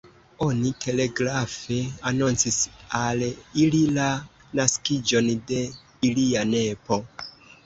Oni telegrafe anoncis al ili la naskiĝon de ilia nepo.